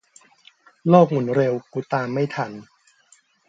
โลกหมุนเร็ว กูตามไม่ทัน